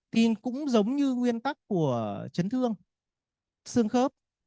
tin cũng giống như nguyên tắc của chấn thương xương khớp